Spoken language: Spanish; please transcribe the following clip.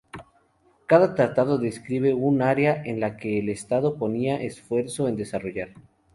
Cada tratado describe un área en la que el Estado ponía esfuerzo en desarrollar.